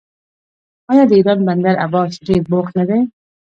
آیا د ایران بندر عباس ډیر بوخت نه دی؟